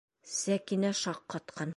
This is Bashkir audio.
Сәкинә шаҡ ҡатҡан.